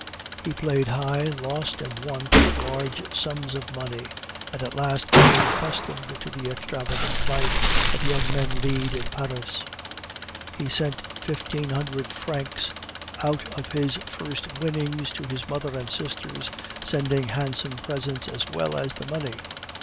He played high, lost and won large sums of money, and at last became accustomed to the extravagant life that young men lead in Paris. He sent fifteen hundred francs out of his first winnings to his mother and sisters, sending handsome presents as well as the money.